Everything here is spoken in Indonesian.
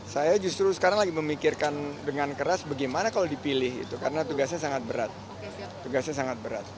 saya justru sekarang lagi memikirkan dengan keras bagaimana kalau dipilih itu karena tugasnya sangat berat tugasnya sangat berat